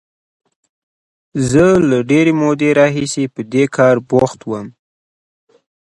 زه له ډېرې مودې راهیسې په دې کار بوخت وم.